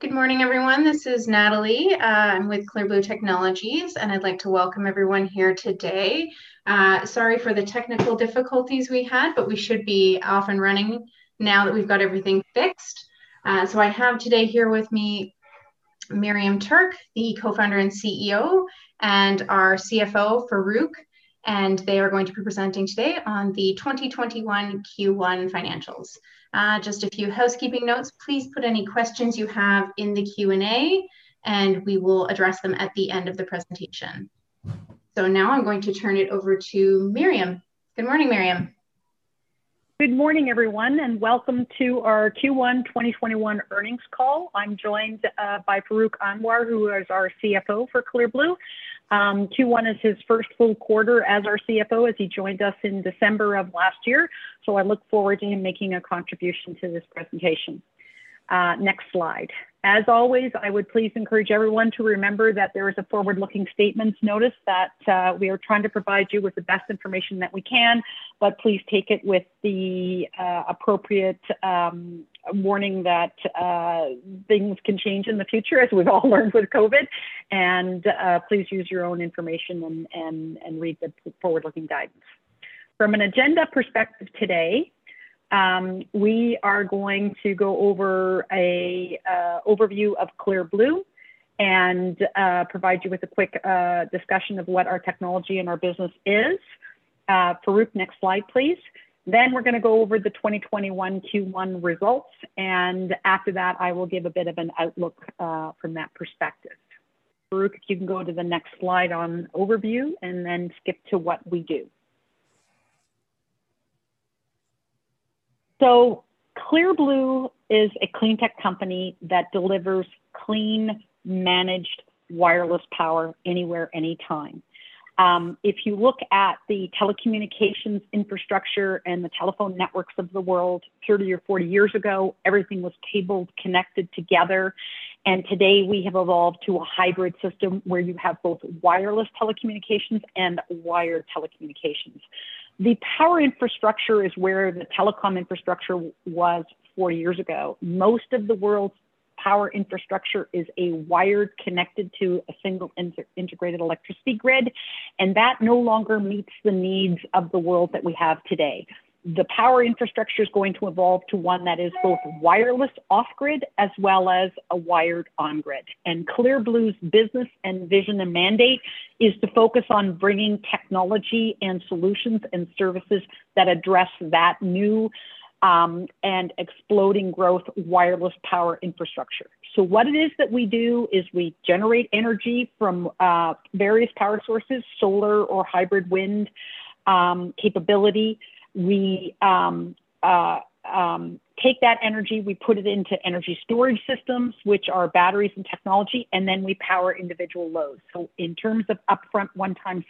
Good morning, everyone. This is Natalie. I'm with Clear Blue Technologies. I'd like to welcome everyone here today. Sorry for the technical difficulties we had. We should be off and running now that we've got everything fixed. I have today here with me Miriam Tuerk, the Co-founder and CEO, and our CFO, Farrukh Anwar. They are going to be presenting today on the 2021 Q1 financials. Just a few housekeeping notes. Please put any questions you have in the Q&A. We will address them at the end of the presentation. Now I'm going to turn it over to Miriam. Good morning, Miriam. Good morning, everyone. Welcome to our Q1 2021 Earnings Call. I'm joined by Farrukh Anwar, who is our CFO for Clear Blue. Q1 is his first full quarter as our CFO, as he joined us in December of last year. I look forward to him making a contribution to this presentation. Next slide. As always, I would please encourage everyone to remember that there is a forward-looking statements notice that we are trying to provide you with the best information that we can. Please take it with the appropriate warning that things can change in the future, as we've all learned with COVID. Please use your own information and read the forward-looking guidance. From an agenda perspective today, we are going to go over a overview of Clear Blue and provide you with a quick discussion of what our technology and our business is. Farrukh, next slide, please. We're going to go over the 2021 Q1 results, and after that, I will give a bit of an outlook from that perspective. Farrukh, you can go to the next slide on overview and then skip to what we do. Clear Blue is a clean tech company that delivers clean, managed, wireless power anywhere, anytime. If you look at the telecommunications infrastructure and the telephone networks of the world 30 or 40 years ago, everything was cabled, connected together, and today we have evolved to a hybrid system where you have both wireless telecommunications and wired telecommunications. The power infrastructure is where the telecom infrastructure was 40 years ago. Most of the world's power infrastructure is a wire connected to a single integrated electricity grid, and that no longer meets the needs of the world that we have today. The power infrastructure's going to evolve to one that is both wireless off-grid as well as a wired on grid. Clear Blue's business and vision and mandate is to focus on bringing technology and solutions and services that address that new and exploding growth wireless power infrastructure. What it is that we do is we generate energy from various power sources, solar or hybrid wind capability. We take that energy, we put it into energy storage systems, which are batteries and technology, and then we power individual loads. In terms of upfront one-time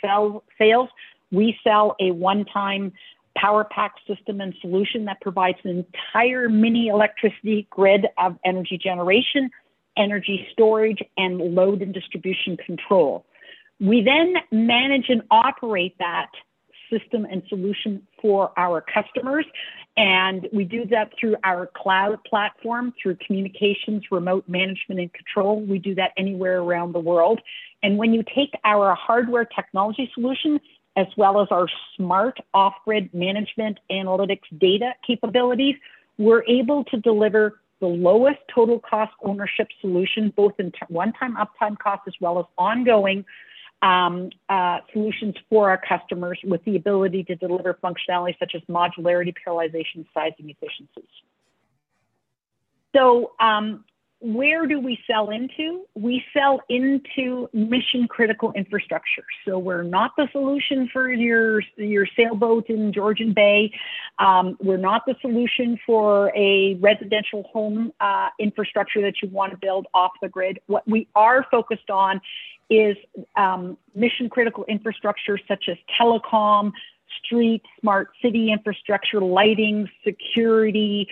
sales, we sell a one-time power pack system and solution that provides an entire mini electricity grid of energy generation, energy storage, and load and distribution control. We manage and operate that system and solution for our customers. We do that through our cloud platform, through communications, remote management, and control. We do that anywhere around the world. When you take our hardware technology solutions, as well as our Smart Off-Grid management analytics data capabilities, we're able to deliver the lowest total cost ownership solution, both in one-time upfront cost as well as ongoing solutions for our customers with the ability to deliver functionality such as modularity, parallelization, size, and efficiencies. Where do we sell into? We sell into mission-critical infrastructure. We're not the solution for your sailboat in Georgian Bay. We're not the solution for a residential home infrastructure that you want to build off the grid. What we are focused on is mission-critical infrastructure such as telecom, street, smart city infrastructure, lighting, security,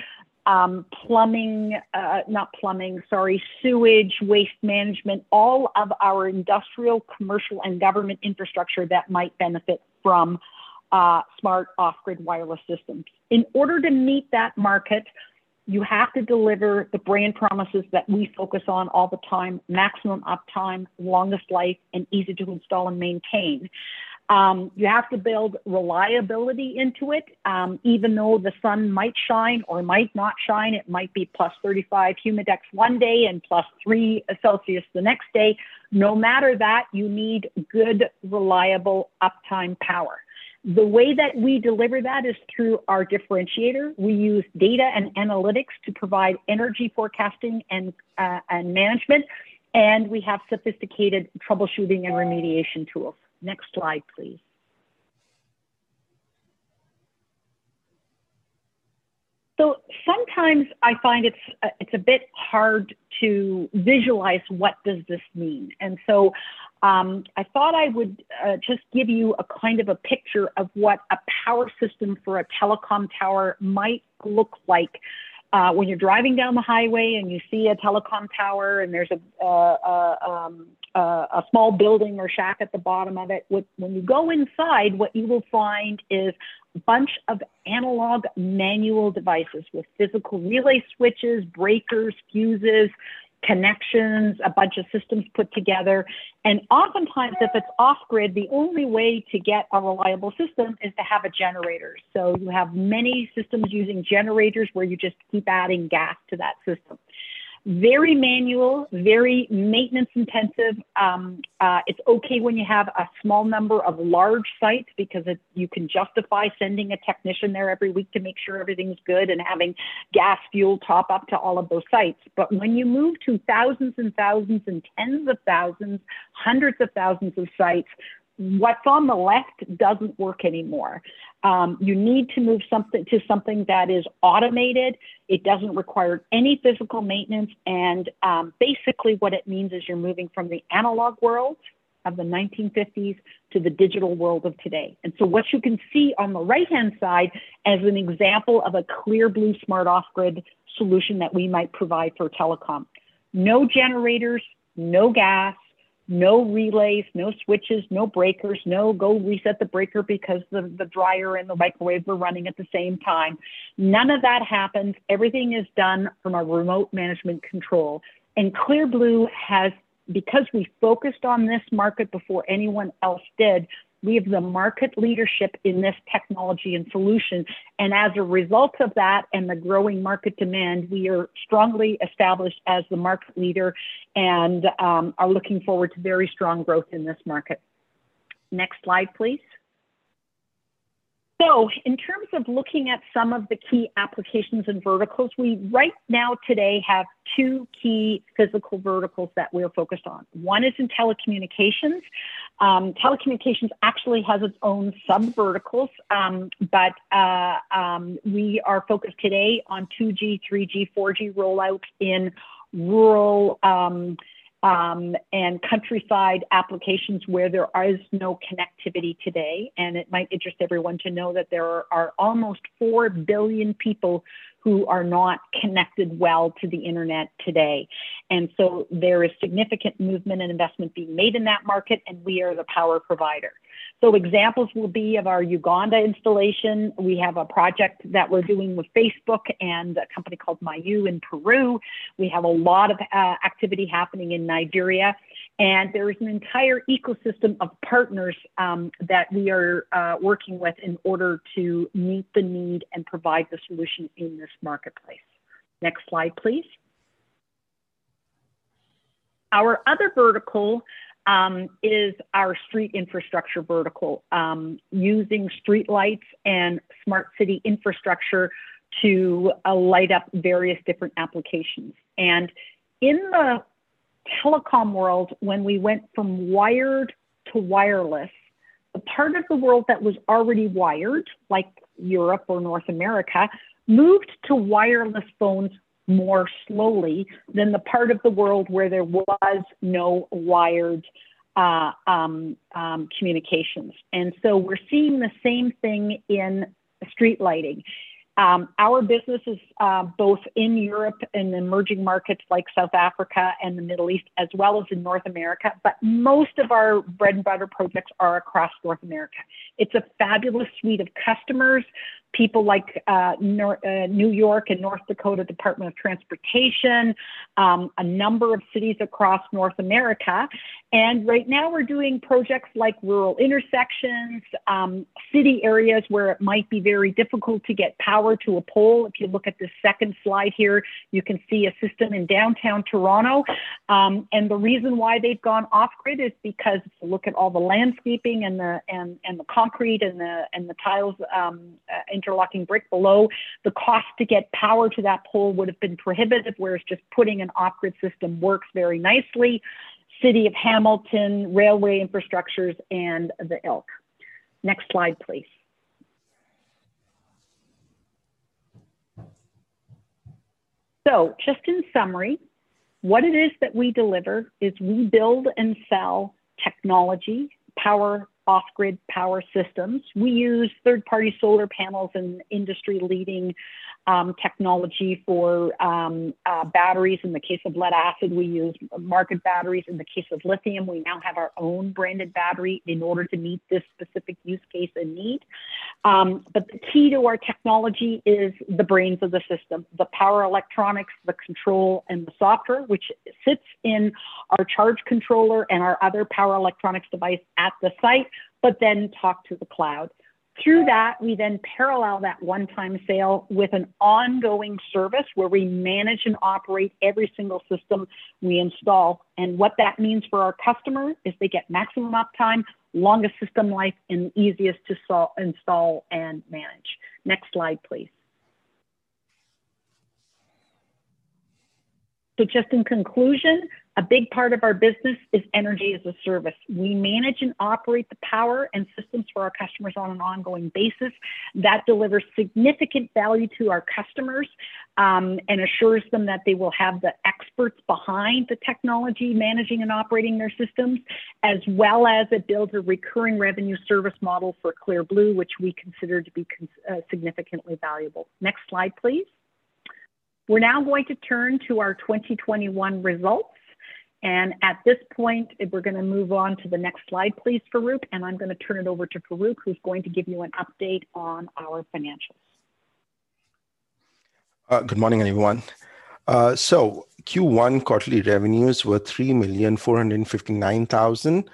sewage, waste management, all of our industrial, commercial, and government infrastructure that might benefit from Smart Off-Grid wireless systems. In order to meet that market, you have to deliver the brand promises that we focus on all the time, maximum uptime, longest life, and easy to install and maintain. You have to build reliability into it, even though the sun might shine or might not shine. It might be plus 35 Humidex one day and +3 degrees Celsius the next day. No matter that, you need good, reliable uptime power. The way that we deliver that is through our differentiator. We use data and analytics to provide energy forecasting and management, and we have sophisticated troubleshooting and remediation tools. Next slide, please. Sometimes I find it's a bit hard to visualize what does this mean, and so I thought I would just give you a picture of what a power system for a telecom tower might look like. When you're driving down the highway and you see a telecom tower and there's a small building or shack at the bottom of it, when you go inside, what you will find is a bunch of analog manual devices with physical relay switches, breakers, fuses, connections, a bunch of systems put together. Oftentimes, if it's off-grid, the only way to get a reliable system is to have a generator. You have many systems using generators where you just keep adding gas to that system. Very manual, very maintenance intensive. It's okay when you have a small number of large sites because you can justify sending a technician there every week to make sure everything's good and having gas fuel top up to all of those sites. When you move to thousands and thousands and tens of thousands, hundreds of thousands of sites, what's on the left doesn't work anymore. You need to move to something that is automated, it doesn't require any physical maintenance, and basically what it means is you're moving from the analog world of the 1950s to the digital world of today. What you can see on the right-hand side is an example of a Clear Blue Smart Off-Grid solution that we might provide for telecom. No generators, no gas, no relays, no switches, no breakers, no go reset the breaker because the dryer and the microwave are running at the same time. None of that happens. Everything is done from a remote management control. Clear Blue has, because we focused on this market before anyone else did, we have the market leadership in this technology and solution. As a result of that and the growing market demand, we are strongly established as the market leader and are looking forward to very strong growth in this market. Next slide, please. In terms of looking at some of the key applications and verticals, we right now today have two key physical verticals that we are focused on. One is in telecommunications. Telecommunications actually has its own sub-verticals. We are focused today on 2G, 3G, 4G rollouts in rural and countryside applications where there is no connectivity today. It might interest everyone to know that there are almost 4 billion people who are not connected well to the internet today. There is significant movement and investment being made in that market, and we are the power provider. Examples will be of our Uganda installation. We have a project that we're doing with Facebook and a company called Mayu in Peru. We have a lot of activity happening in Nigeria. There is an entire ecosystem of partners that we are working with in order to meet the need and provide the solution in this marketplace. Next slide, please. Our other vertical is our street infrastructure vertical, using streetlights and smart city infrastructure to light up various different applications. In the telecom world, when we went from wired to wireless, the part of the world that was already wired, like Europe or North America, moved to wireless phones more slowly than the part of the world where there was no wired communications. We're seeing the same thing in street lighting. Our business is both in Europe and emerging markets like South Africa and the Middle East, as well as in North America, but most of our bread and butter projects are across North America. It's a fabulous suite of customers, people like New York and North Dakota Department of Transportation, a number of cities across North America. Right now we're doing projects like rural intersections, city areas where it might be very difficult to get power to a pole. If you look at the second slide here, you can see a system in downtown Toronto. The reason why they've gone Smart Off-Grid is because, look at all the landscaping and the concrete and the tiles, interlocking brick below. The cost to get power to that pole would have been prohibitive, whereas just putting an Smart Off-Grid system works very nicely. City of Hamilton, railway infrastructures, and the ilk. Next slide, please. Just in summary, what it is that we deliver is we build and sell technology, off-grid power systems. We use third-party solar panels and industry-leading technology for batteries. In the case of lead acid, we use market batteries. In the case of lithium, we now have our own branded battery in order to meet this specific use case and need. The key to our technology is the brains of the system, the power electronics, the control, and the software, which sits in our charge controller and our other power electronics device at the site, but then talk to the cloud. To that, we then parallel that one-time sale with an ongoing service where we manage and operate every single system we install. What that means for our customers is they get maximum uptime, longest system life, and the easiest to install and manage. Next slide, please. Just in conclusion, a big part of our business is Energy as a Service. We manage and operate the power and systems for our customers on an ongoing basis. That delivers significant value to our customers and assures them that they will have the experts behind the technology managing and operating their systems, as well as it builds a recurring revenue service model for Clear Blue, which we consider to be significantly valuable. Next slide, please. We're now going to turn to our 2021 results. At this point, we're going to move on to the next slide, please, Farrukh. I'm going to turn it over to Farrukh, who's going to give you an update on our financials. Good morning, everyone. Q1 quarterly revenues were 3,459,000,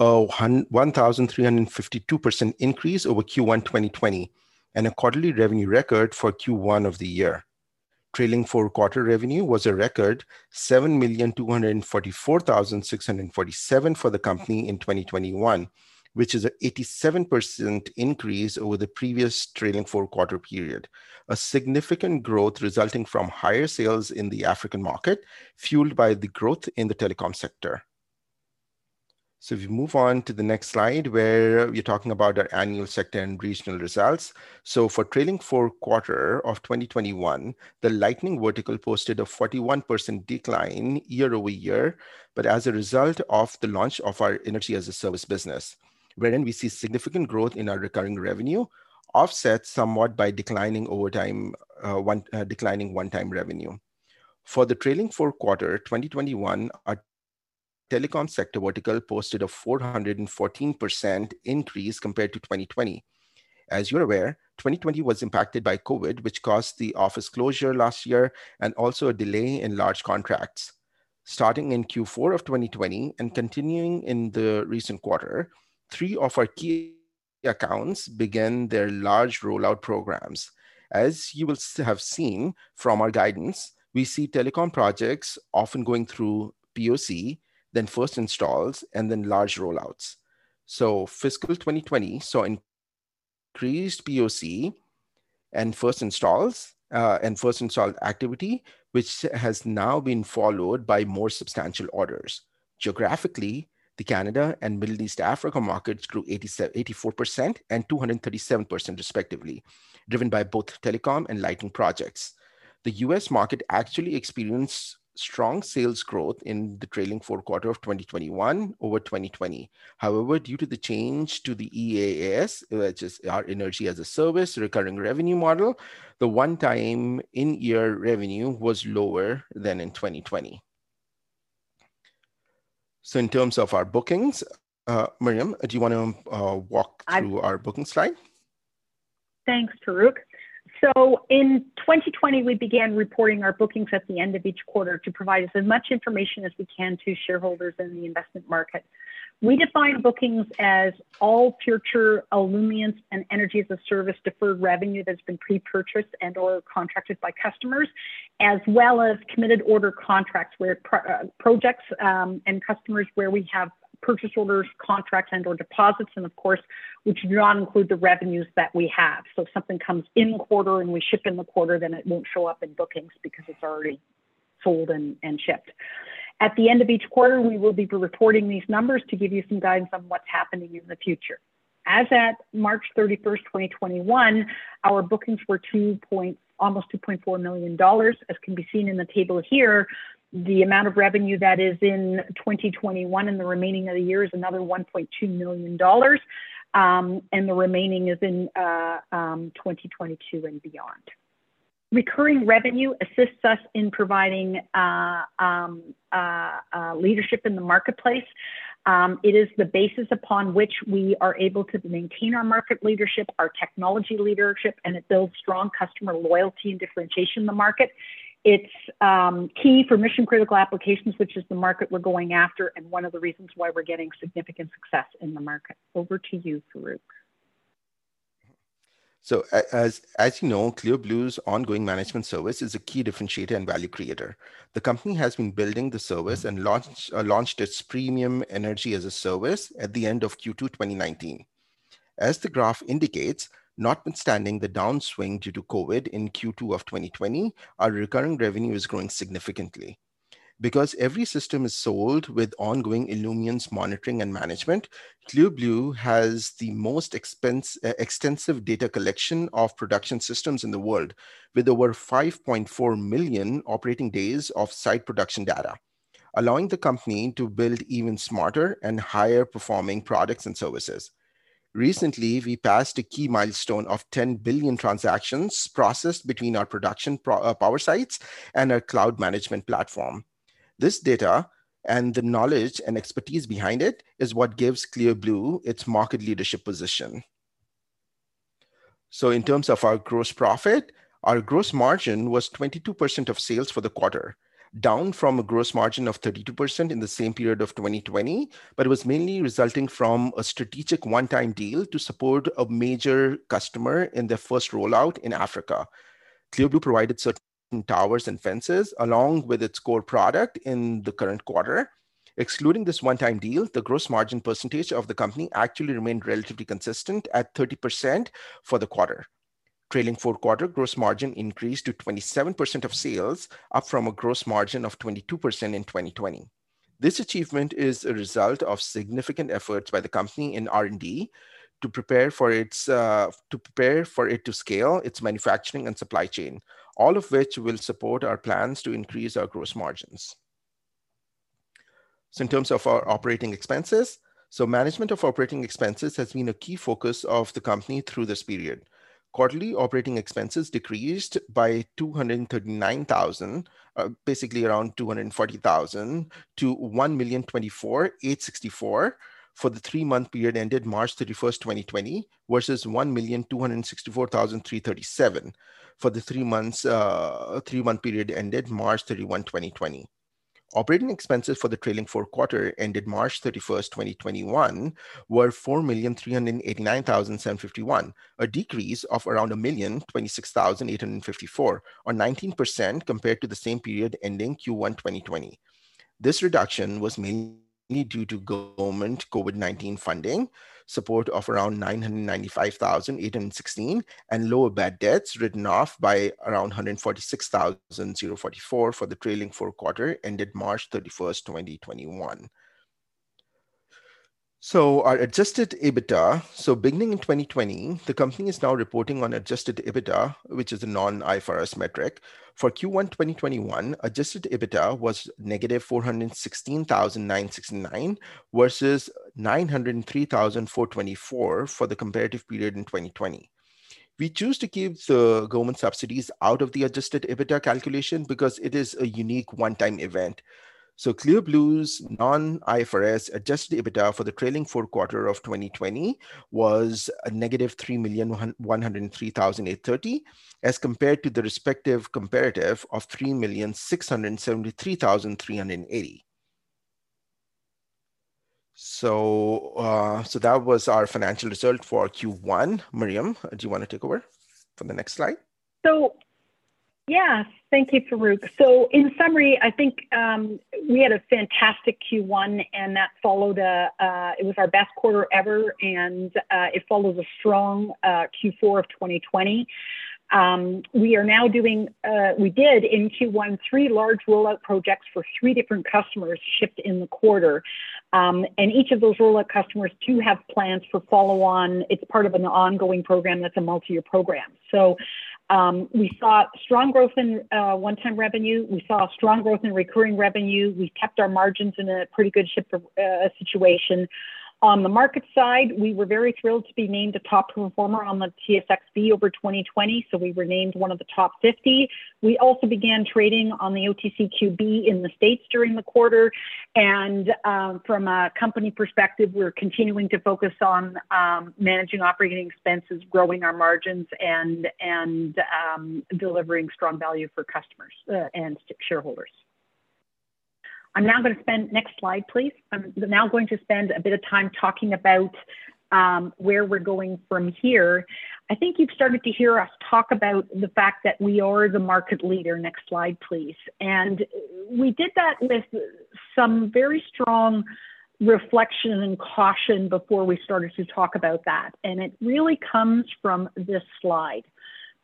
a 1,352% increase over Q1 2020, and a quarterly revenue record for Q1 of the year. Trailing four-quarter revenue was a record 7,244,647 for the company in 2021, which is an 87% increase over the previous trailing four-quarter period. A significant growth resulting from higher sales in the African market, fueled by the growth in the telecom sector. If you move on to the next slide, where we're talking about our annual sector and regional results. For trailing four-quarter of 2021, the lighting vertical posted a 41% decline year-over-year, but as a result of the launch of our Energy as a Service business, wherein we see significant growth in our recurring revenue offset somewhat by declining one-time revenue. For the trailing four-quarter 2021, our telecom sector vertical posted a 414% increase compared to 2020. As you're aware, 2020 was impacted by COVID, which caused the office closure last year and also a delay in large contracts. Starting in Q4 of 2020 and continuing in the recent quarter, three of our key accounts began their large rollout programs. As you would have seen from our guidance, we see telecom projects often going through POC, then first installs, and then large rollouts. Fiscal 2020 saw increased POC and first installed activity, which has now been followed by more substantial orders. Geographically, the Canada and Middle East Africa markets grew 84% and 237% respectively, driven by both telecom and lighting projects. The U.S. market actually experienced strong sales growth in the trailing four quarter of 2021 over 2020. However, due to the change to the EaaS, which is our Energy as a Service recurring revenue model, the one time in-year revenue was lower than in 2020. In terms of our bookings, Miriam, do you want to walk through our bookings slide? Thanks, Farrukh. In 2020, we began reporting our bookings at the end of each quarter to provide as much information as we can to shareholders in the investment market. We define bookings as all future Illumient and Energy as a Service deferred revenue that's been pre-purchased and/or contracted by customers, as well as committed order contracts where projects and customers where we have purchase orders, contracts, and/or deposits, and of course, which do not include the revenues that we have. If something comes in quarter and we ship in the quarter, then it won't show up in bookings because it's already sold and shipped. At the end of each quarter, we will be reporting these numbers to give you some guidance on what's happening in the future. As at March 31st, 2021, our bookings were almost 2.4 million dollars, as can be seen in the table here. The amount of revenue that is in 2021 and the remaining of the year is another 1.2 million dollars, and the remaining is in 2022 and beyond. Recurring revenue assists us in providing leadership in the marketplace. It is the basis upon which we are able to maintain our market leadership, our technology leadership, and it builds strong customer loyalty and differentiation in the market. It's key for mission-critical applications, which is the market we're going after and one of the reasons why we're getting significant success in the market. Over to you, Farrukh. As you know, Clear Blue's ongoing management service is a key differentiator and value creator. The company has been building the service and launched its premium Energy as a Service at the end of Q2 2019. As the graph indicates, notwithstanding the downswing due to COVID in Q2 of 2020, our recurring revenue is growing significantly. Because every system is sold with ongoing Illumient monitoring and management, Clear Blue has the most extensive data collection of production systems in the world, with over 5.4 million operating days of site production data, allowing the company to build even smarter and higher-performing products and services. Recently, we passed a key milestone of 10 billion transactions processed between our production power sites and our cloud management platform. This data and the knowledge and expertise behind it is what gives Clear Blue its market leadership position. In terms of our gross profit, our gross margin was 22% of sales for the quarter, down from a gross margin of 32% in the same period of 2020, but it was mainly resulting from a strategic one-time deal to support a major customer in their first rollout in Africa. Clear Blue provided certain towers and fences along with its core product in the current quarter. Excluding this one-time deal, the gross margin percentage of the company actually remained relatively consistent at 30% for the quarter. Trailing four quarter gross margin increased to 27% of sales, up from a gross margin of 22% in 2020. This achievement is a result of significant efforts by the company in R&D to prepare for it to scale its manufacturing and supply chain, all of which will support our plans to increase our gross margins. In terms of our operating expenses, management of operating expenses has been a key focus of the company through this period. Quarterly operating expenses decreased by 239,000, basically around 240,000 to 1,024,864 for the three-month period ended March 31, 2020 versus 1,264,337 for the three-month period ended March 31, 2020. Operating expenses for the trailing four quarter ended March 31, 2021 were 4,389,751, a decrease of around 1,026,854 or 19% compared to the same period ending Q1 2020. This reduction was mainly due to government COVID-19 funding support of around 995,816 and lower bad debts written off by around 146,044 for the trailing four quarter ended March 31, 2021. Our adjusted EBITDA. Beginning in 2020, the company is now reporting on adjusted EBITDA, which is a non-IFRS metric. For Q1 2021, adjusted EBITDA was negative 416,969 versus 903,424 for the comparative period in 2020. We choose to keep the government subsidies out of the adjusted EBITDA calculation because it is a unique one-time event. Clear Blue's non-IFRS adjusted EBITDA for the trailing four quarter of 2020 was a negative 3,103,830 as compared to the respective comparative of 3,673,380. That was our financial result for Q1. Miriam, do you want to take over for the next slide? Yeah. Thank you, Farrukh Anwar. In summary, I think we had a fantastic Q1, it was our best quarter ever, and it follows a strong Q4 of 2020. We did in Q1 three large rollout projects for three different customers shipped in the quarter. Each of those rollout customers do have plans for follow-on. It's part of an ongoing program that's a multi-year program. We saw strong growth in one-time revenue. We saw strong growth in recurring revenue. We kept our margins in a pretty good situation. On the market side, we were very thrilled to be named a top performer on the TSXV over 2020. We were named one of the top 50. We also began trading on the OTCQB in the States during the quarter. From a company perspective, we're continuing to focus on managing operating expenses, growing our margins, and delivering strong value for customers and shareholders. Next slide, please. I'm now going to spend a bit of time talking about where we're going from here. I think you've started to hear us talk about the fact that we are the market leader. Next slide, please. We did that with some very strong reflection and caution before we started to talk about that. It really comes from this slide.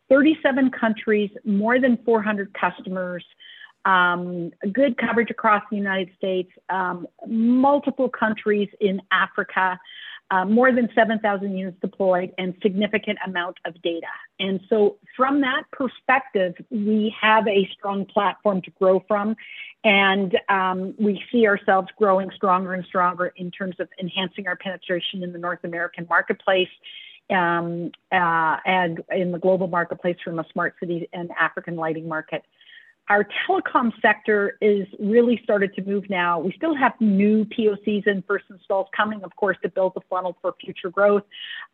37 countries, more than 400 customers, good coverage across the United States, multiple countries in Africa, more than 7,000 units deployed, and significant amounts of data. From that perspective, we have a strong platform to grow from, and we see ourselves growing stronger and stronger in terms of enhancing our penetration in the North American marketplace, and in the global marketplace from a smart city and African lighting market. Our telecom sector is really starting to move now. We still have new POCs and first installs coming, of course, to build the funnel for future growth.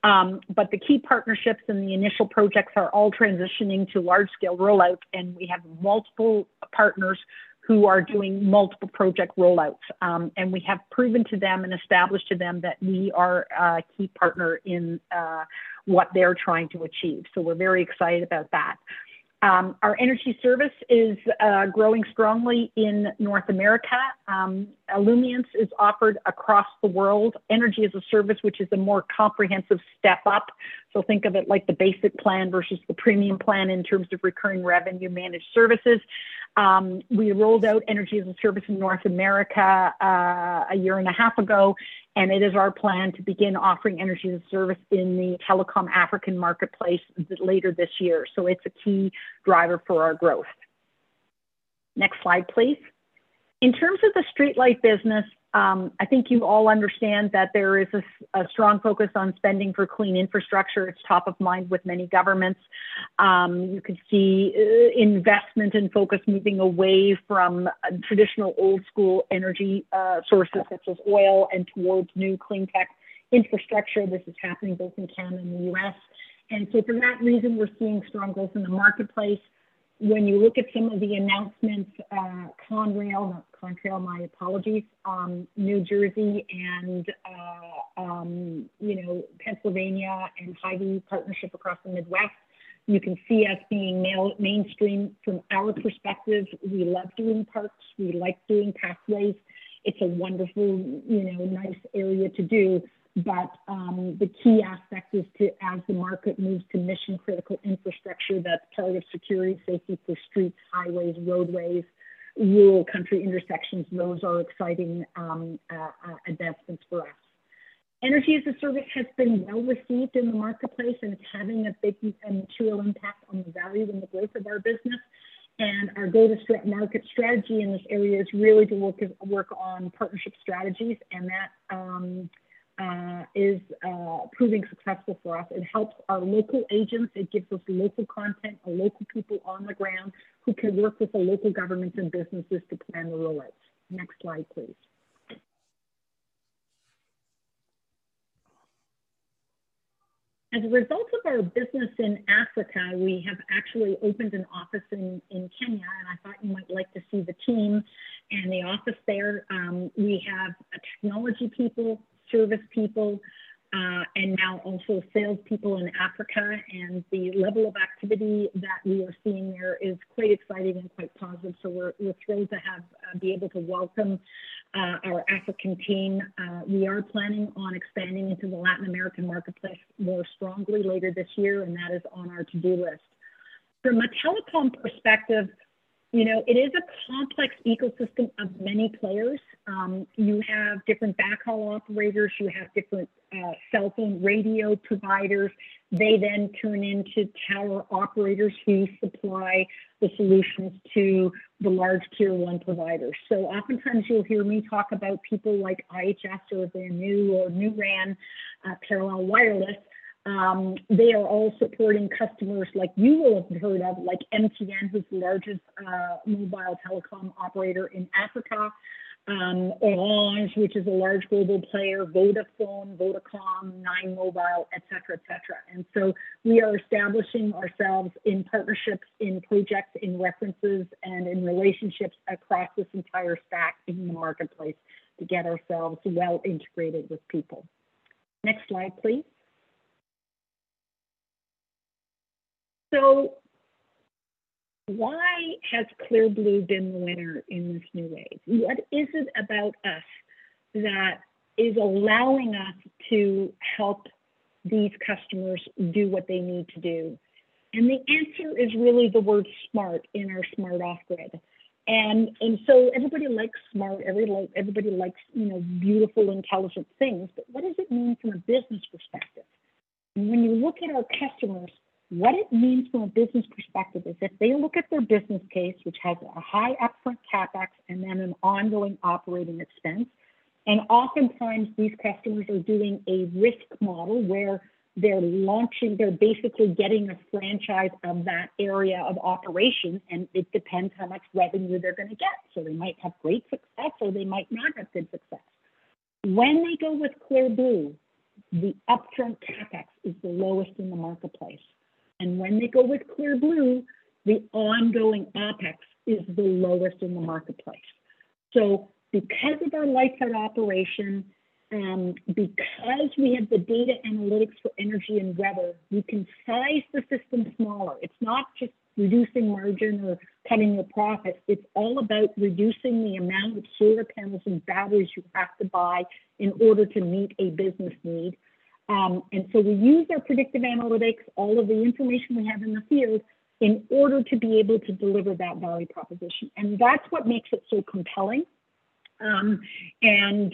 The key partnerships and the initial projects are all transitioning to large-scale rollouts, and we have multiple partners who are doing multiple project rollouts. We have proven to them and established to them that we are a key partner in what they're trying to achieve. We're very excited about that. Our energy service is growing strongly in North America. Illumient is offered across the world. Energy as a Service, which is a more comprehensive step-up. Think of it like the basic plan versus the premium plan in terms of recurring revenue managed services. We rolled out energy-as-a-service in North America a year and a half ago, and it is our plan to begin offering energy-as-a-service in the telecom African marketplace later this year. It's a key driver for our growth. Next slide, please. In terms of the streetlight business, I think you all understand that there is a strong focus on spending for clean infrastructure. It's top of mind with many governments. You can see investment and focus moving away from traditional old school energy sources such as oil and towards new clean tech infrastructure. This is happening both in Canada and the U.S. For that reason, we're seeing strong growth in the marketplace. When you look at some of the announcements, Conrail, New Jersey, and Pennsylvania, Hy-Vee partnership across the Midwest, you can see us being mainstream. From our perspective, we love doing parks, we like doing pathways. It's a wonderfully nice area to do. The key aspect is to, as the market moves to mission-critical infrastructure that's part of security, safety for streets, highways, roadways, rural country intersections, those are exciting advancements for us. Energy as a Service has been well received in the marketplace and is having a big and material impact on the value and the growth of our business. Our go-to-market strategy in this area is really to work on partnership strategies, and that is proving successful for us. It helps our local agents. It gives us local content, our local people on the ground who can work with the local governments and businesses to plan rollouts. Next slide, please. As a result of our business in Africa, we have actually opened an office in Kenya, and I thought you might like to see the team and the office there. We have technology people, service people, and now also salespeople in Africa, and the level of activity that we are seeing there is quite exciting and quite positive. We're thrilled to be able to welcome our African team. We are planning on expanding into the Latin American marketplace more strongly later this year, and that is on our to-do list. From a telecom perspective, it is a complex ecosystem of many players. You have different backhaul operators. You have different cellphone radio providers. They turn into tower operators who supply the solutions to the large tier 1 providers. Oftentimes you'll hear me talk about people like IHS, also with their NuRAN new brand, Carolina West Wireless. They are all supporting customers like you will have heard of, like MTN, who's the largest mobile telecom operator in Africa, Orange, which is a large global player, Vodafone, Vodacom, 9mobile, et cetera. We are establishing ourselves in partnerships, in projects, in references, and in relationships across this entire stack in the marketplace to get ourselves well-integrated with people. Next slide, please. Why has Clear Blue been the winner in this new age? What is it about us that is allowing us to help these customers do what they need to do? The answer is really the word smart in our Smart Off-Grid. Everybody likes smart. Everybody likes beautiful, intelligent things. What does it mean from a business perspective? When you look at our customers, what it means from a business perspective is if they look at their business case, which has a high upfront CapEx and then an ongoing operating expense, and oftentimes these customers are doing a risk model where they're launching, they're basically getting a franchise from that area of operation, and it depends how much revenue they're going to get. They might have great success, or they might not have great success. When they go with Clear Blue, the upfront CapEx is the lowest in the marketplace. When they go with Clear Blue, the ongoing OpEx is the lowest in the marketplace. Because of our light CAP operation, because we have the data analytics for energy and weather, you can size the system smaller. It's not just reducing margin or cutting your profit. It's all about reducing the amount of solar panels and batteries you have to buy in order to meet a business need. We use our predictive analytics, all of the information we have in the field in order to be able to deliver that value proposition. That's what makes it so compelling, and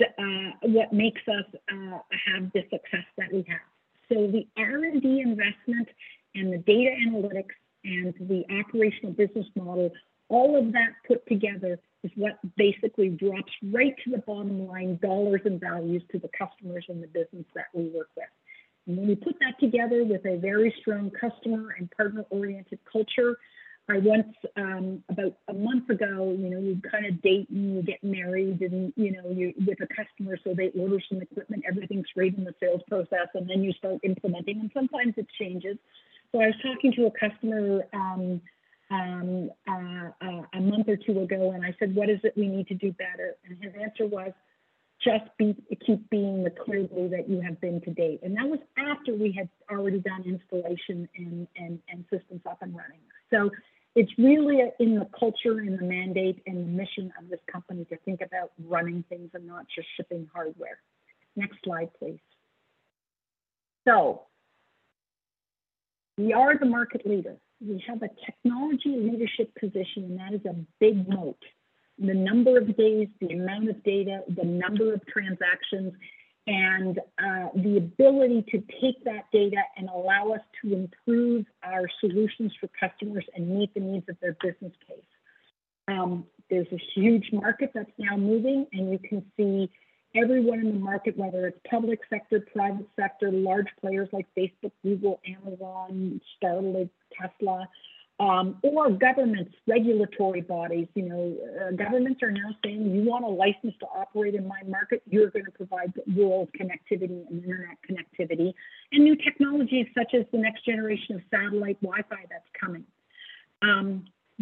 what makes us have the success that we have. The R&D investment and the data analytics and the operational business model, all of that put together is what basically drops right to the bottom line CAD in value to the customers and the business that we work with. When you put that together with a very strong customer and partner-oriented culture. About a month ago, you date and you get married and with a customer, so they order some equipment, everything's great in the sales process, and then you start implementing and sometimes it changes. I was talking to a customer a month or two ago, and I said, "What is it we need to do better?" His answer was, "Just keep being the Clear Blue that you have been to date." That was after we had already done installation and systems up and running. It's really in the culture and the mandate and the mission of this company to think about running things and not just shipping hardware. Next slide, please. We are the market leader. We have a technology leadership position, and that is a big moat. In the number of gates, the amount of data, the number of transactions, and the ability to take that data and allow us to improve our solutions for customers and meet the needs of their business case. There's a huge market that's now moving, and you can see everywhere in the market, whether it's public sector, private sector, large players like Facebook, Google, Amazon, Starlink, Tesla, or governments, regulatory bodies. Governments are now saying, "If you want a license to operate in my market, you're going to provide rural connectivity and internet connectivity." New technologies such as the next generation of Satellite Wi-Fi that's coming.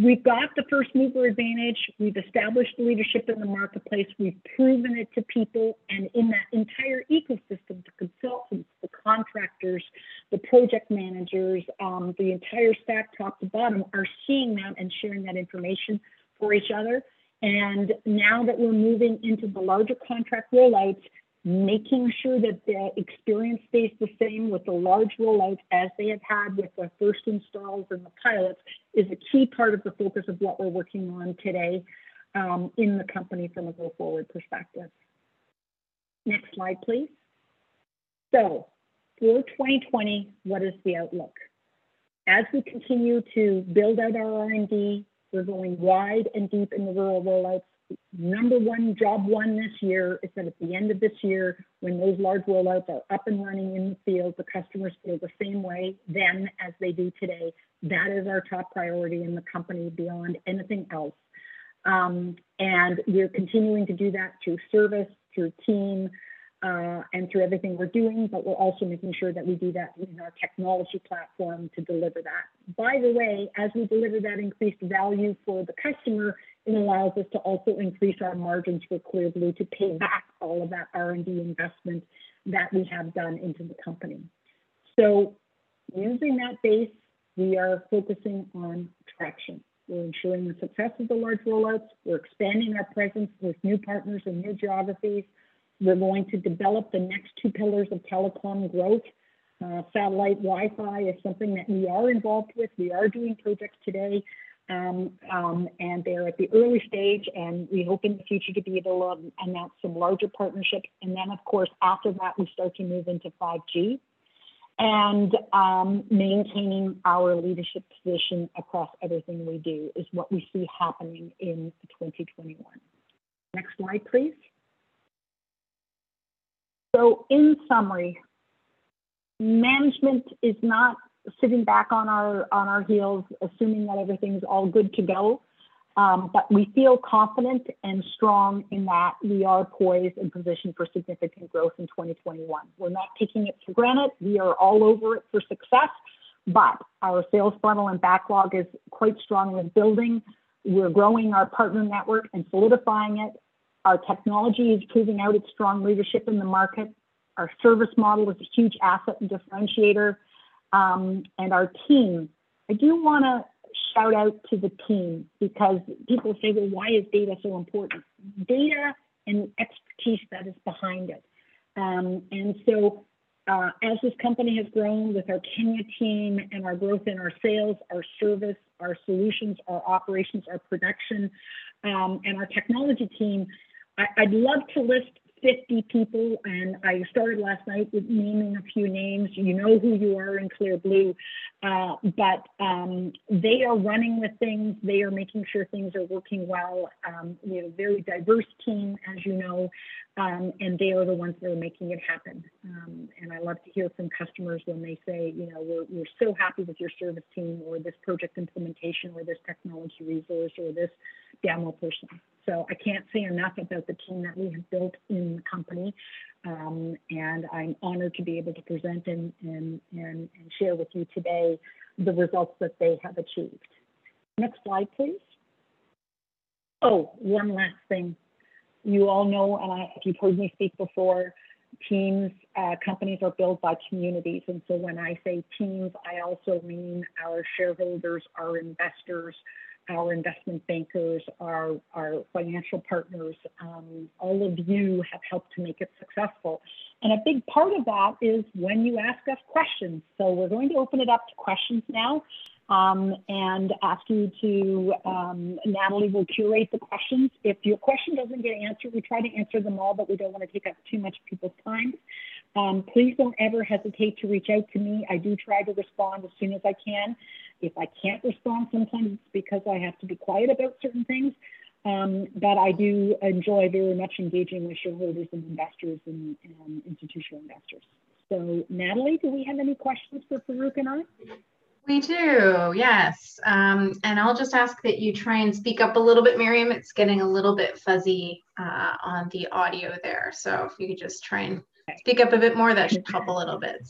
We've got the first-mover advantage. We've established leadership in the marketplace. We've proven it to people. In that entire ecosystem, the consultants, the contractors, the project managers, the entire stack top to bottom are seeing that and sharing that information for each other. Now that we're moving into the larger contract rollouts, making sure that their experience stays the same with the large rollouts as they have had with their first installs and the pilots is a key part of the focus of what we're working on today in the company from a go-forward perspective. Next slide, please. For 2020, what is the outlook? As we continue to build out our R&D, we're going wide and deep in the rural rollouts. Number one job one this year is that at the end of this year, when those large rollouts are up and running in the field, the customers feel the same way then as they do today. That is our top priority in the company beyond anything else. We are continuing to do that through service, through team, and through everything we're doing. We're also making sure that we do that in our technology platform to deliver that. By the way, as we deliver that increased value for the customer, it allows us to also increase our margins for Clear Blue to pay back all of our R&D investment that we have done into the company. Using that base, we are focusing on traction. We're ensuring the success of the launch roll-ups. We're expanding our presence with new partners in new geographies. We're going to develop the next two pillars of telecom growth. Satellite Wi-Fi is something that we are involved with. We are doing projects today, and they're at the early stage, and we hope in the future to be able to announce some larger partnerships. Of course, after that, we start to move into 5G and maintain our leadership position across everything we do is what we see happening in 2021. Next slide, please. In summary, management is not sitting back on our heels assuming that everything's all good to go. We feel confident and strong in that we are poised and positioned for significant growth in 2021. We're not taking it for granted. We are all over it for success, but our sales funnel and backlog is quite strong and building. We are growing our partner network and solidifying it. Our technology is proving out its strong leadership in the market. Our service model is a huge asset and differentiator, and our team. I do want to shout out to the team because people say, "Well, why is data so important?" Data and the expertise that is behind it. As this company has grown with our senior team and our growth in our sales, our service, our solutions, our operations, our production, and our technology team, I'd love to list 50 people, and I started last night with naming a few names. You know who you are in Clear Blue, but they are running with things. They are making sure things are working well, very diverse team, as you know, and they are the ones that are making it happen. I love to hear from customers when they say, "We're so happy with your service team," or this project implementation, or this technology resource, or this demo person. I can't say enough about the team that we've built in the company, and I'm honored to be able to present and share with you today the results that they have achieved. Next slide, please. Oh, one last thing. You all know, and if you've heard me speak before, teams at companies are built by communities. When I say teams, I also mean our shareholders, our investors, our investment bankers, our financial partners. All of you have helped to make it successful. I think part of that is when you ask us questions. We're going to open it up to questions now, and asking to, Natalie will curate the questions. If your question doesn't get answered, we try to answer them all, but we don't want to take up too much people's time. Please don't ever hesitate to reach out to me. I do try to respond as soon as I can. If I can't respond sometimes it's because I have to be quiet about certain things, but I do enjoy very much engaging with shareholders and investors and institutional investors. Natalie, do we have any questions just to work on? We do, yes. I'll just ask that you try and speak up a little bit, Miriam. It's getting a little bit fuzzy on the audio there. If you could just try and speak up a bit more, that'd help a little bit.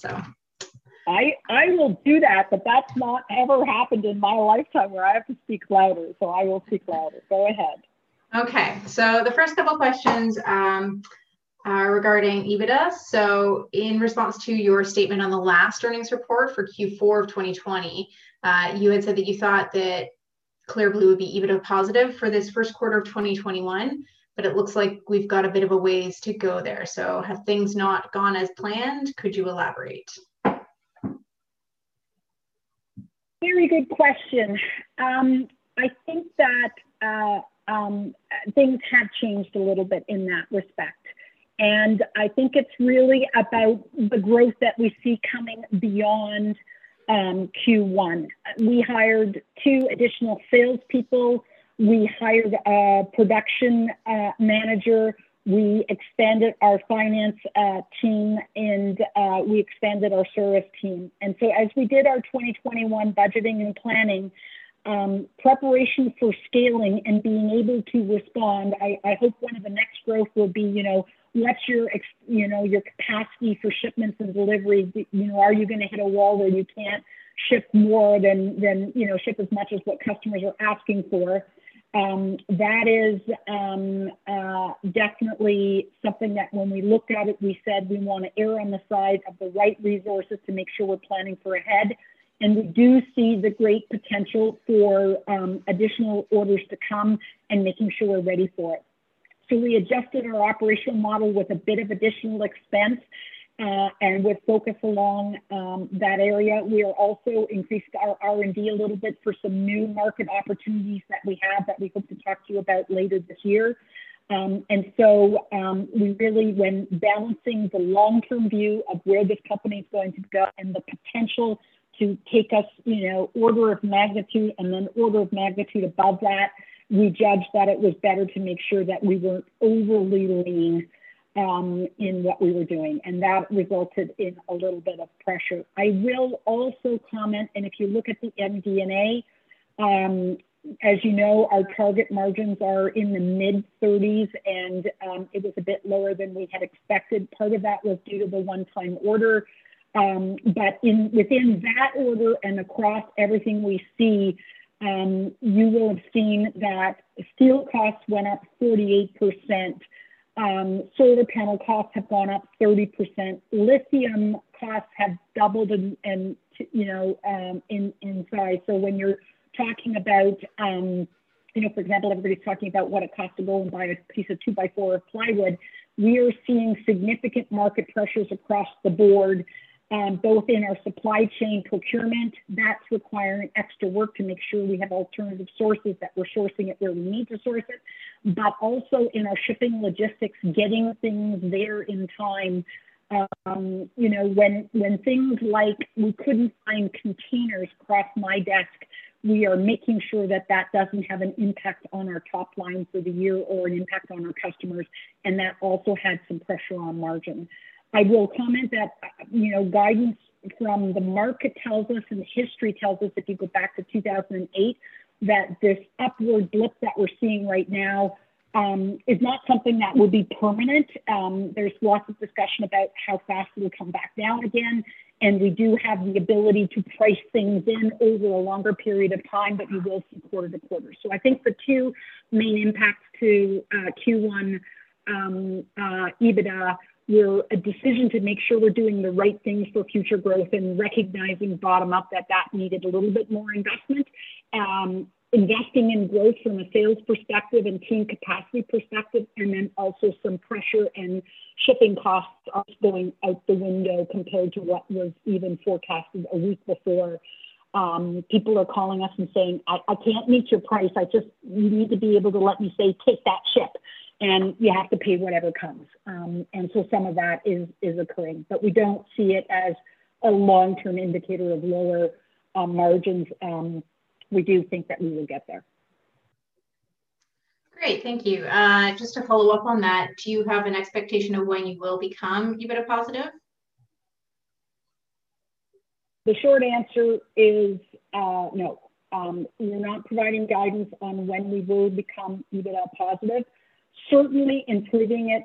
I will do that, but that's not ever happened in my lifetime where I have to speak louder, so I will speak louder. Go ahead. The first couple questions regarding EBITDA. In response to your statement on the last earnings report for Q4 of 2020, you had said that you thought that Clear Blue would be EBITDA positive for this first quarter of 2021, but it looks like we've got a bit of a ways to go there. Have things not gone as planned? Could you elaborate? Very good question. I think that things have changed a little bit in that respect, and I think it's really about the growth that we see coming beyond Q1. We hired two additional sales people. We hired a production manager. We expanded our finance team, and we expanded our service team. As we did our 2021 budgeting and planning, preparation for scaling and being able to respond, I hope some of the next growth will be, what's your capacity for shipments and deliveries? Are you going to hit a wall where you can't ship as much as what customers are asking for? That is definitely something that when we looked at it, we said we want to err on the side of the right resources to make sure we're planning for ahead. We do see the great potential for additional orders to come and making sure we're ready for it. We adjusted our operational model with a bit of additional expense, and we're focused along that area. We have also increased our R&D a little bit for some new market opportunities that we have that we can talk to you about later this year. We really, when balancing the long-term view of where this company is going to go and the potential to take us order of magnitude and then order of magnitude above that, we judged that it was better to make sure that we weren't overly lean in what we were doing, and that resulted in a little bit of pressure. I will also comment, if you look at the MD&A, as you know, our target margins are in the mid-30%s. It was a bit lower than we had expected. Part of that was due to the one-time order. Within that order and across everything we see, you will have seen that steel costs went up 48%, solar panel costs have gone up 30%, lithium costs have doubled in size. When you're talking about, for example, everybody's talking about what it costs to go and buy a piece of two-by-four of plywood, we are seeing significant market pressures across the board, both in our supply chain procurement. That's requiring extra work to make sure we have alternative sources that we're sourcing it where we need to source it, also in our shipping logistics, getting things there in time. When things like we couldn't find containers cross my desk, we are making sure that that doesn't have an impact on our top line for the year or an impact on our customers, and that also had some pressure on margin. I will comment that guidance from the market tells us, and history tells us if you go back to 2008, that this upward blip that we're seeing right now is not something that will be permanent. There's lots of discussion about how fast it'll come back down again, and we do have the ability to price things in over a longer period of time, but we will support the quarter. I think the two main impacts to Q1 EBITDA were a decision to make sure we're doing the right things for future growth and recognizing bottom-up that that needed a little bit more investment. Investing in growth from a sales perspective and team capacity perspective, also some pressure in shipping costs going out the window compared to what was even forecasted a week before. People are calling us and saying, "I can't meet your price. I just need to be able to let me say take that ship, and you have to pay whatever comes." Some of that is occurring. We don't see it as a long-term indicator of lower margins. We do think that we will get there. Great. Thank you. Just to follow up on that, do you have an expectation of when you will become EBITDA positive? The short answer is no. We're not providing guidance on when we will become EBITDA positive. Certainly, improving it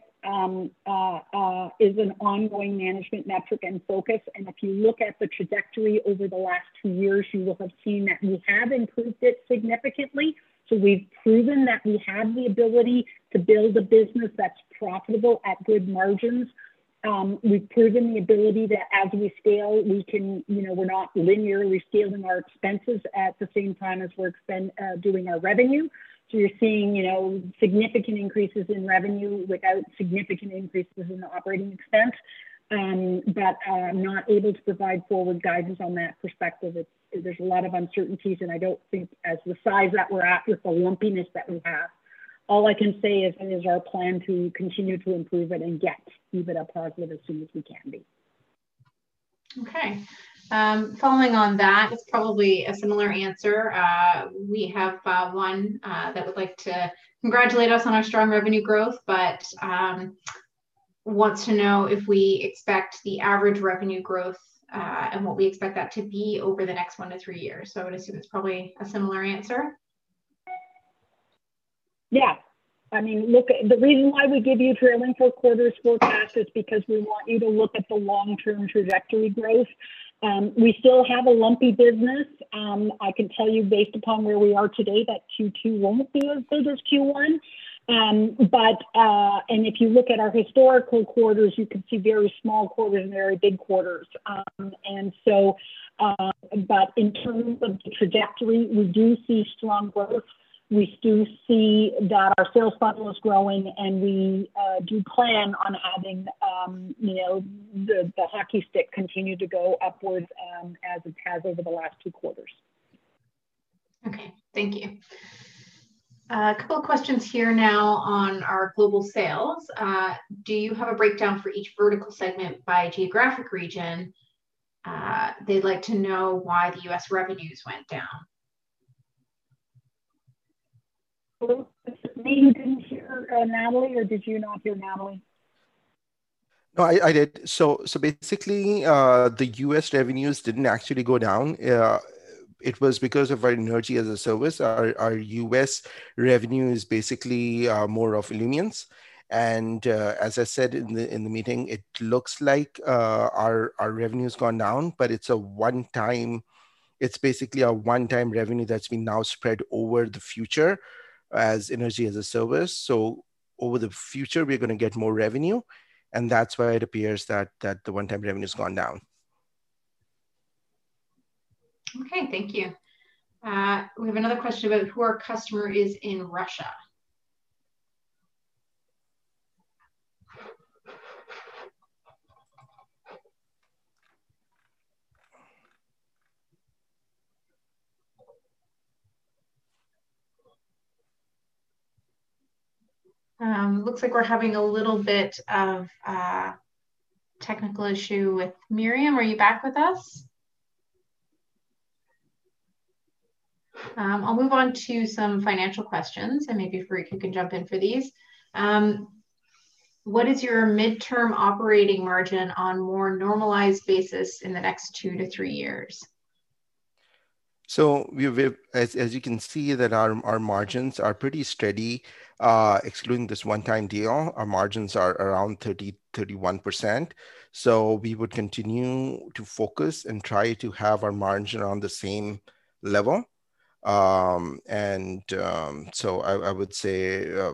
is an ongoing management metric and focus. If you look at the trajectory over the last two years, you will have seen that we have improved it significantly. We've proven that we have the ability to build a business that's profitable at good margins. We've proven the ability to, as we scale, we're not linearly scaling our expenses at the same time as we're doing our revenue. You're seeing significant increases in revenue without significant increases in operating expense. I'm not able to provide forward guidance from that perspective. There's a lot of uncertainty, and I don't think at the size that we're at with the lumpiness that we have. All I can say is our plan to continue to improve it and get to EBITDA positive as soon as we can be. Following on that, it's probably a similar answer. We have one that would like to congratulate us on our strong revenue growth, but wants to know if we expect the average revenue growth and what we expect that to be over the next one to three years. I assume it's probably a similar answer. Yeah. The reason why we give you trailing four quarters forward guidance is because we want you to look at the long-term trajectory growth. We still have a lumpy business. I can tell you based upon where we are today, that Q2 won't look similar to Q1. If you look at our historical quarters, you can see very small quarters and very big quarters. In terms of trajectory, we do see strong growth. We do see that our sales funnel is growing, we do plan on having the hockey stick continue to go upwards as it has over the last two quarters. Okay. Thank you. A couple questions here now on our global sales. Do you have a breakdown for each vertical segment by geographic region? They'd like to know why the U.S. revenues went down. Oh, sorry, did you hear Natalie, or did you not hear Natalie? No, I did. Basically, the U.S. revenues didn't actually go down. It was because of our Energy as a Service. Our U.S. revenue is basically more of a lien, and as I said in the meeting, it looks like our revenue's gone down, but it's basically a one-time revenue that's been now spread over the future as Energy as a Service. Over the future, we're going to get more revenue, and that's why it appears that the one-time revenue's gone down. Okay. Thank you. We have another question about who our customer is in Russia. Looks like we're having a little bit of a technical issue with Miriam. Are you back with us? Maybe, Farrukh, you can jump in for these. What is your midterm operating margin on a more normalized basis in the next two to three years? As you can see, our margins are pretty steady. Excluding this one-time deal, our margins are around 30%-31%. We would continue to focus and try to have our margin around the same level. I would say a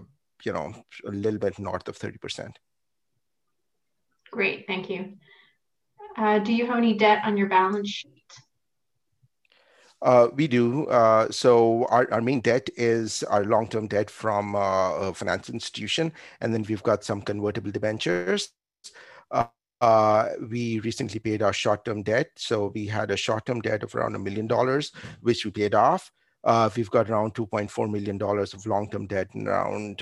little bit north of 30%. Great, thank you. Do you have any debt on your balance sheet? We do. Our main debt is our long-term debt from a finance institution, and then we've got some convertible debentures. We recently paid our short-term debt, so we had a short-term debt of around 1 million dollars, which we paid off. We've got around 2.4 million dollars of long-term debt and around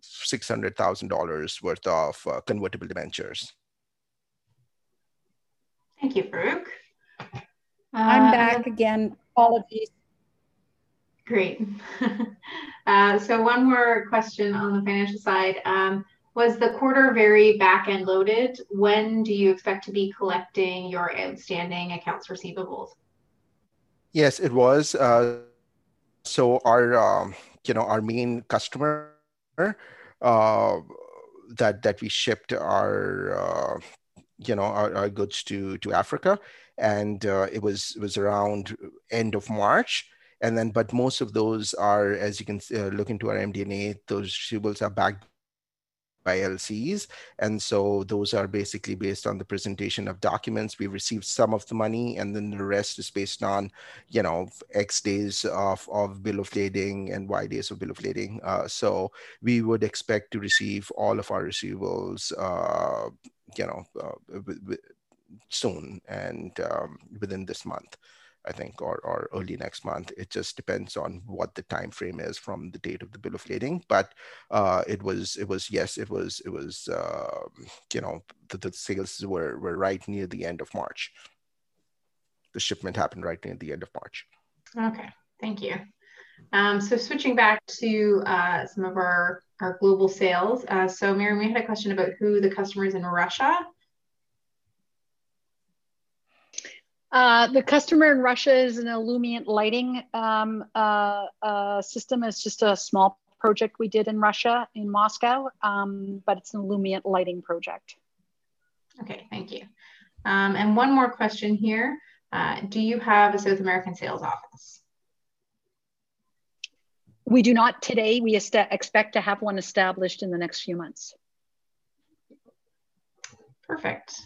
600,000 dollars worth of convertible debentures. Thank you, Farrukh. I'm back again, apologies. Great. One more question on the financial side. Was the quarter very back-end loaded? When do you expect to be collecting your outstanding accounts receivables? Yes, it was. Our main customer that we shipped our goods to Africa, and it was around the end of March. Most of those are, as you can see, looking through our MD&A, those receivables are backed by LCs. Those are basically based on the presentation of documents. We've received some of the money, and then the rest is based on X days of bill of lading and Y days of bill of lading. We would expect to receive all of our receivables soon and within this month, I think, or early next month. It just depends on what the timeframe is from the date of the bill of lading. Yes, the sales were right near the end of March. The shipment happened right near the end of March. Okay, thank you. Miriam, we had a question about who the customer is in Russia. The customer in Russia is an Illumient lighting system. It is just a small project we did in Russia, in Moscow, but it is an Illumient lighting project. Okay, thank you. One more question here. Do you have, it says, an American sales office? We do not today. We expect to have one established in the next few months. Perfect.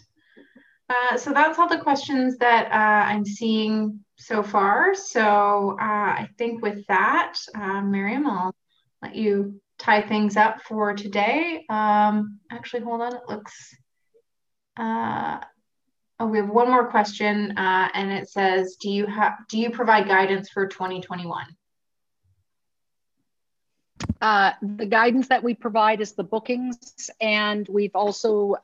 That's all the questions that I'm seeing so far. I think with that, Miriam, I'll let you tie things up for today. Actually, hold on, it looks We have one more question, and it says: Do you provide guidance for 2021? The guidance that we provide is the bookings, and we've also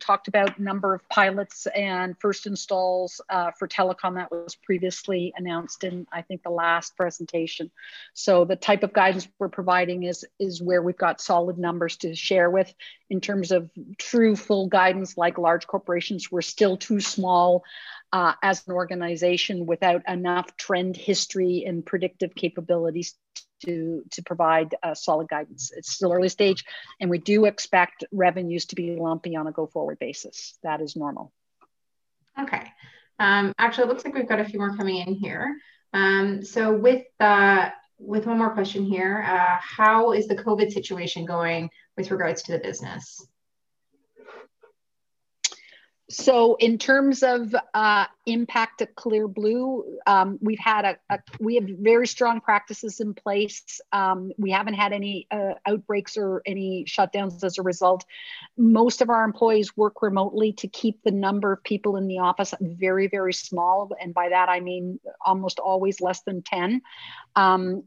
talked about number of pilots and first installs for telecom that was previously announced in, I think, the last presentation. The type of guidance we're providing is where we've got solid numbers to share with. In terms of true, full guidance like large corporations, we're still too small as an organization without enough trend history and predictive capabilities to provide solid guidance. It's still early stage, and we do expect revenues to be lumpy on a go-forward basis. That is normal. Okay. Actually, it looks like we've got a few more coming in here. With one more question here, how is the COVID situation going with regards to the business? In terms of impact at Clear Blue, we have very strong practices in place. We haven't had any outbreaks or any shutdowns as a result. Most of our employees work remotely to keep the number of people in the office very, very small, and by that I mean almost always less than 10.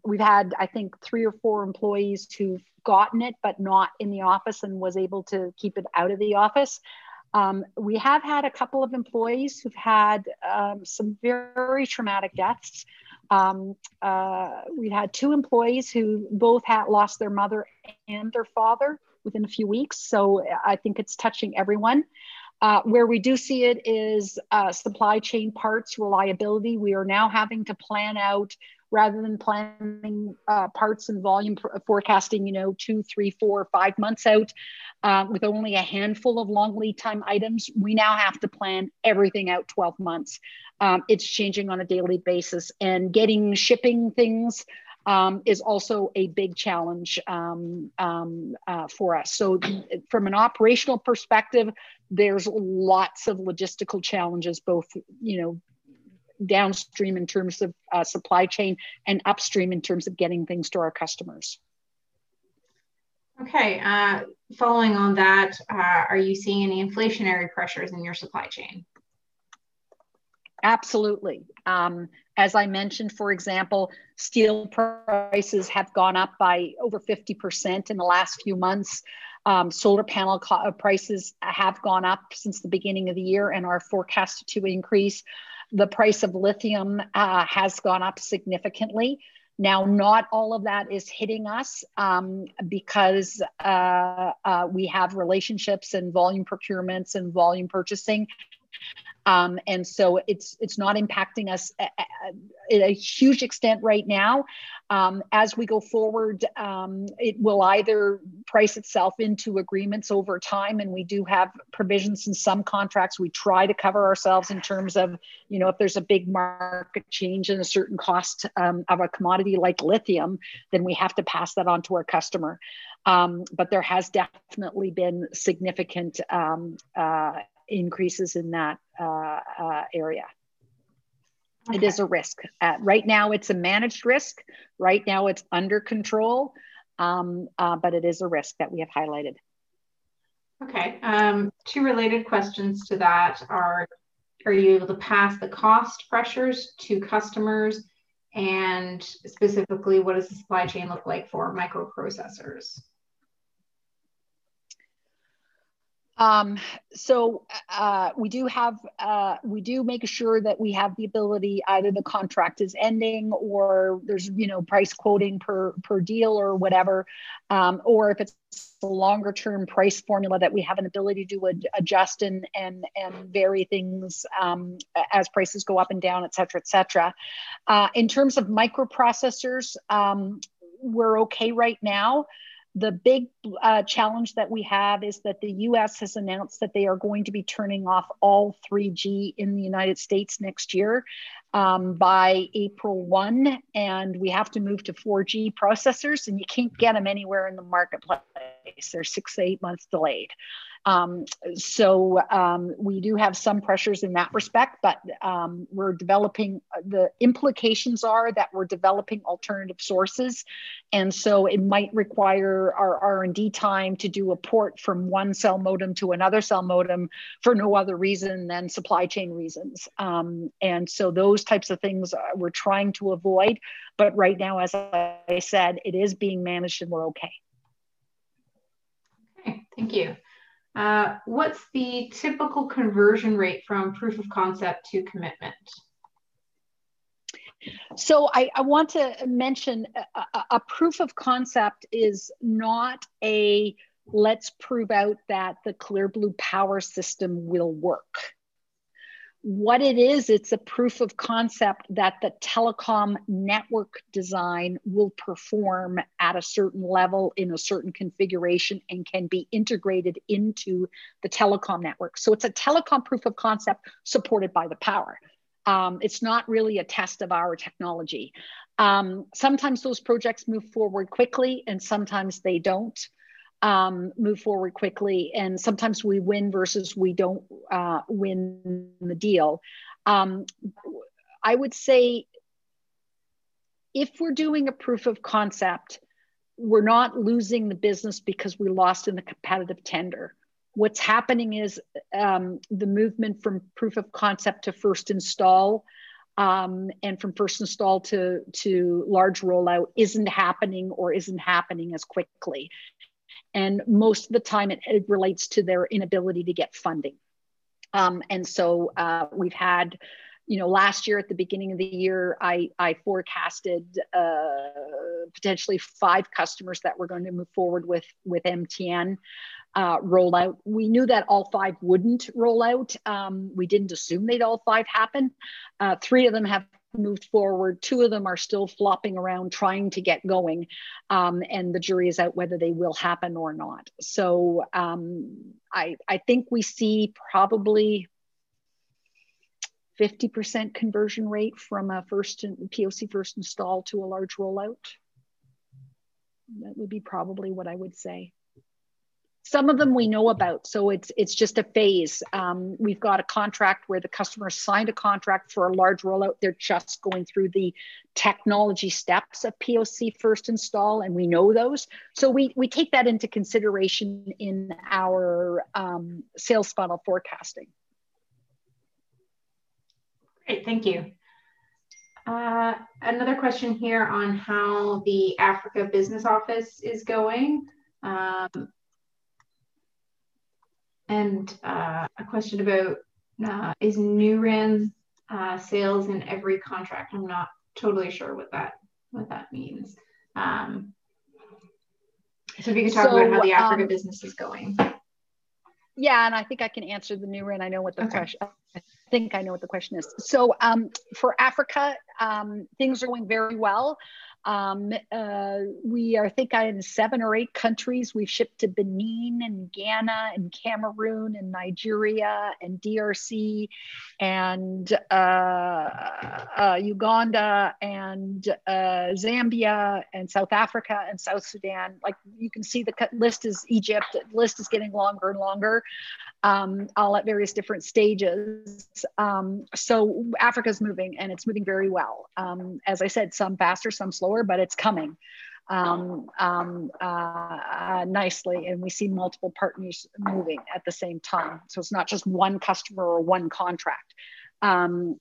We had, I think, three or four employees who've gotten it, but not in the office and was able to keep it out of the office. We have had a couple of employees who've had some very traumatic deaths. We had two employees who both had lost their mother and their father within a few weeks, so I think it's touching everyone. Where we do see it is supply chain parts reliability. We are now having to plan out rather than planning parts and volume forecasting two, three, four, five months out with only a handful of long lead time items. We now have to plan everything out 12 months. It's changing on a daily basis, and getting and shipping things is also a big challenge for us. From an operational perspective, there's lots of logistical challenges, both downstream in terms of supply chain and upstream in terms of getting things to our customers. Okay. Following on that, are you seeing any inflationary pressures in your supply chain? Absolutely. As I mentioned, for example, steel prices have gone up by over 50% in the last few months. Solar panel prices have gone up since the beginning of the year and are forecasted to increase. The price of lithium has gone up significantly. Now, not all of that is hitting us because we have relationships and volume procurements and volume purchasing. It's not impacting us at a huge extent right now. As we go forward, it will either price itself into agreements over time, and we do have provisions in some contracts. We try to cover ourselves in terms of, if there's a big market change in a certain cost of a commodity like lithium, then we have to pass that on to our customer. There has definitely been significant increases in that area. It is a risk. Right now it's a managed risk. Right now it's under control, but it is a risk that we have highlighted. Okay. Two related questions to that are you able to pass the cost pressures to customers? Specifically, what does the supply chain look like for microprocessors? We do make sure that we have the ability, either the contract is ending or there's price quoting per deal or whatever. If it's a longer-term price formula that we have an ability to adjust and vary things as prices go up and down, et cetera. In terms of microprocessors, we're okay right now. The big challenge that we have is that the U.S. has announced that they are going to be turning off all 3G in the United States next year by April 1. We have to move to 4G processors, and you can't get them anywhere in the marketplace. They're six to eight months delayed. We do have some pressures in that respect, but the implications are that we're developing alternative sources. It might require our R&D time to do a port from one cell modem to another cell modem for no other reason than supply chain reasons. Those types of things we're trying to avoid, but right now, as I said, it is being managed and we're okay. Okay. Thank you. What's the typical conversion rate from proof of concept to commitment? I want to mention a proof of concept is not a, "Let's prove out that the Clear Blue power system will work." What it is, it's a proof of concept that the telecom network design will perform at a certain level in a certain configuration and can be integrated into the telecom network. It's a telecom proof of concept supported by the power. It's not really a test of our technology. Sometimes those projects move forward quickly, and sometimes they don't move forward quickly, and sometimes we win versus we don't win the deal. I would say if we're doing a proof of concept, we're not losing the business because we lost in a competitive tender. What's happening is the movement from proof of concept to first install, and from first install to large rollout isn't happening or isn't happening as quickly. Most of the time, it relates to their inability to get funding. We had last year, at the beginning of the year, I forecasted potentially five customers that were going to move forward with MTN rollout. We knew that all five wouldn't roll out. We didn't assume that all five happened. Three of them have moved forward. Two of them are still flopping around trying to get going, and the jury's out whether they will happen or not. I think we see probably 50% conversion rate from a POC first install to a large rollout. That would be probably what I would say. Some of them we know about, so it's just a phase. We've got a contract where the customer signed a contract for a large rollout. They're just going through the technology steps of POC first install, and we know those. We take that into consideration in our sales funnel forecasting. Great. Thank you. Another question here on how the Africa business office is going. A question about is NuRAN's sales in every contract? I'm not totally sure what that means. Can you talk about how the Africa business is going? Yeah, I think I can answer the NuRan. Okay I think I know what the question is. For Africa, things are going very well. I think we are in seven or eight countries. We ship to Benin and Ghana and Cameroon and Nigeria and DRC and Uganda and Zambia and South Africa and South Sudan. The list is Egypt. The list is getting longer and longer, all at various different stages. Africa's moving, and it's moving very well. As I said, some faster, some slower, but it's coming nicely, and we see multiple partners moving at the same time. It's not just one customer or one contract. In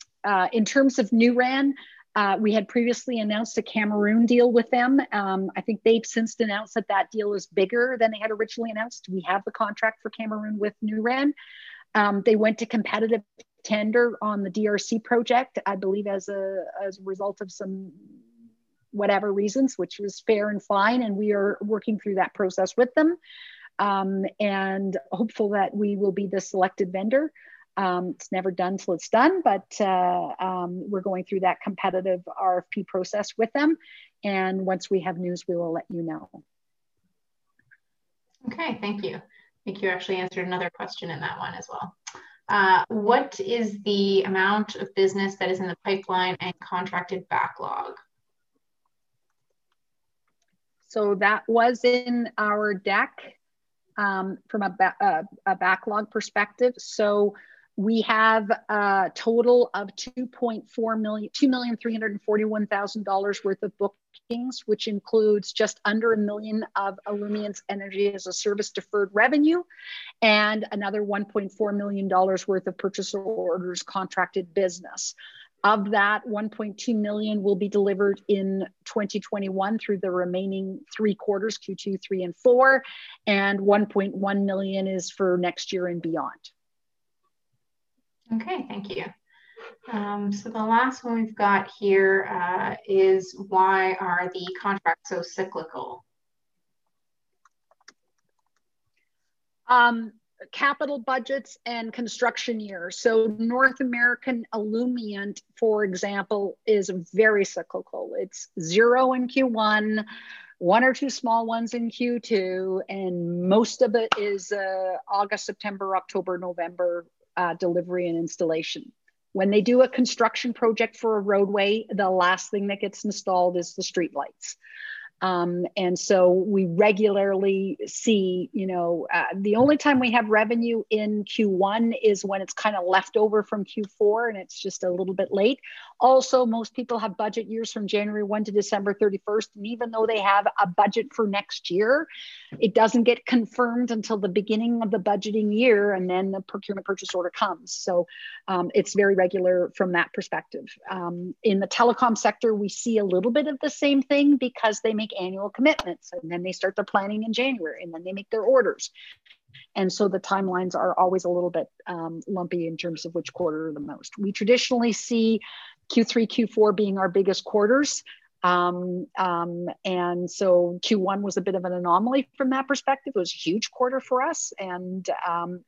terms of NuRan, we had previously announced a Cameroon deal with them. I think they've since announced that that deal is bigger than they had originally announced. We have the contract for Cameroon with NuRan. They went to competitive tender on the DRC project, I believe as a result of whatever reasons, which is fair and fine, and we are working through that process with them, and hopeful that we will be the selected vendor. It's never done till it's done, but we're going through that competitive RFP process with them, and once we have news, we will let you know. Okay, thank you. I think you actually answered another question in that one as well. What is the amount of business that is in the pipeline and contracted backlog? That was in our deck from a backlog perspective. We have a total of 2,341,000 dollars worth of bookings, which includes just under 1 million of Illumient Energy as a Service deferred revenue, and another 1.4 million dollars worth of purchase order contracted business. Of that, 1.2 million will be delivered in 2021 through the remaining three quarters, Q2, three, and four, and 1.1 million is for next year and beyond. Okay, thank you. The last one we've got here is why are the contracts so cyclical? Capital budgets and construction year. North American Illumient, for example, is very cyclical. It's zero in Q1, one or two small ones in Q2, and most of it is August, September, October, November delivery and installation. When they do a construction project for a roadway, the last thing that gets installed is the streetlights. We regularly see. The only time we have revenue in Q1 is when it's kind of left over from Q4, and it's just a little bit late. Also, most people have budget years from January 1 to December 31st, and even though they have a budget for next year, it doesn't get confirmed until the beginning of the budgeting year, and then the purchase order comes. It's very regular from that perspective. In the telecom sector, we see a little bit of the same thing because they make annual commitments, then they start the planning in January, then they make their orders. The timelines are always a little bit lumpy in terms of which quarter the most. We traditionally see Q3, Q4 being our biggest quarters. Q1 was a bit of an anomaly from that perspective. It was a huge quarter for us, and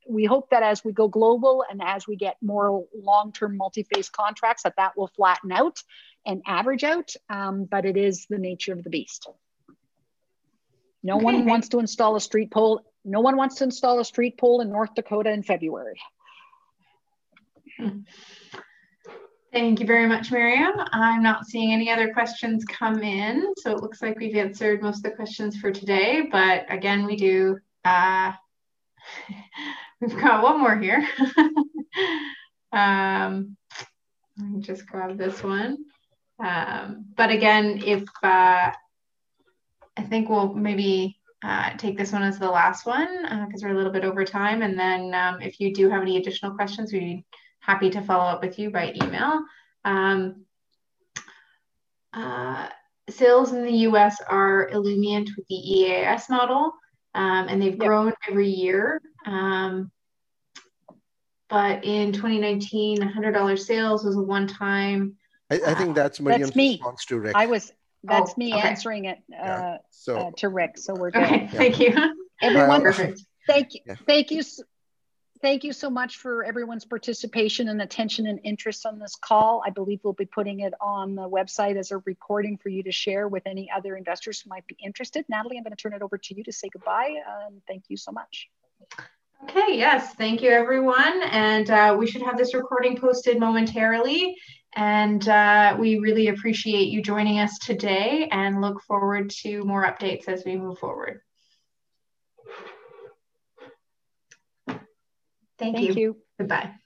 we hope that as we go global and as we get more long-term multi-phase contracts, that will flatten out and average out, but it is the nature of the beast. Okay. No one wants to install a street pole in North Dakota in February. Thank you very much, Miriam. I'm not seeing any other questions come in, so it looks like we've answered most of the questions for today. Again, we've got one more here. Let me just grab this one. Again, I think we'll maybe take this one as the last one because we're a little bit over time. If you do have any additional questions, we'd be happy to follow up with you by email. Sales in the U.S. are Illumient with the EaaS model, and they've grown every year. In 2019, 100 dollar sales. I think that's Miriam's response to Rick. That's me. Oh, okay. that's me answering it to Rick. We're good. Okay, thank you. No, that was me. Thank you so much for everyone's participation and attention and interest on this call. I believe we'll be putting it on the website as a recording for you to share with any other investors who might be interested. Natalie, I'm going to turn it over to you to say goodbye. Thank you so much. Okay. Yes. Thank you, everyone, and we should have this recording posted momentarily. We really appreciate you joining us today and look forward to more updates as we move forward. Thank you. Thank you. Bye bye. Thank you.